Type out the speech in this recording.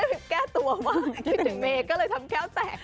ไม่ใช่แก้ตัวว่าคิดถึงเมก็เลยทำแค้วแตก